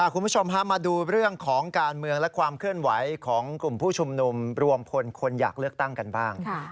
คุณผู้ชมพามาดูเรื่องของการเมืองและความเคลื่อนไหวของกลุ่มผู้ชุมนุมรวมพลคนอยากเลือกตั้งกันบ้าง